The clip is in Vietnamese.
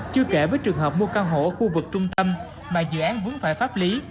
chưa kể với trường hợp mua căn hộ ở khu vực trung tâm mà dự án vướng phải pháp lý